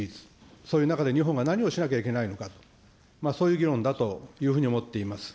その中で日本が何をしなければいけないのか、そういう議論だというふうに思っています。